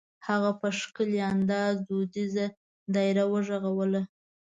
هغه په ښکلي انداز دودیزه دایره وغږوله.